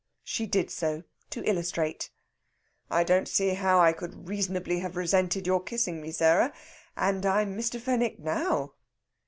She did so to illustrate. "I don't see how I could reasonably have resented your kissing me, Sarah. And I'm Mr. Fenwick now."